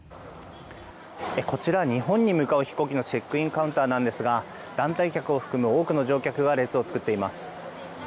こちら、日本に向かう飛行機のチェックインカウンターなんですが団体客を含む多くの乗客が列を作っています。